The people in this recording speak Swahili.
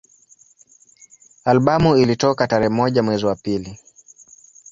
Albamu ilitoka tarehe moja mwezi wa pili